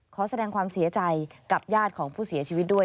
ขอแสดงความเสียใจกับญาติของผู้เสียชีวิตด้วย